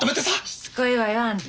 しつこいわよあんた。